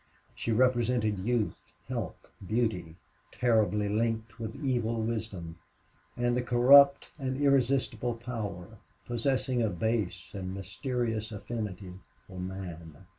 She represented youth, health, beauty, terribly linked with evil wisdom, and a corrupt and irresistible power, possessing a base and mysterious affinity for man.